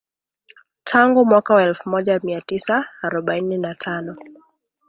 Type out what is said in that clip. Tangu mwaka wa elfu moja mia tisa arobaini na tano